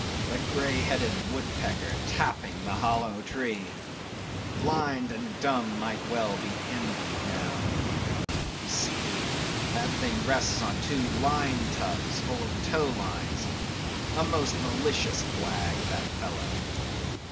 The greyheaded woodpecker tapping the hollow tree! Blind and dumb might well be envied now. See! that thing rests on two line tubs, full of tow lines. A most malicious wag, that fellow.